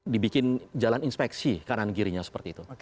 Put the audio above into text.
dibikin jalan inspeksi kanan kirinya seperti itu